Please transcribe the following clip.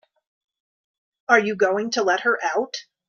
Are you going to let her out?